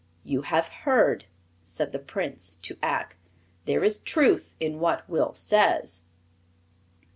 "You have heard," said the Prince to Ak. "There is truth in what Will says."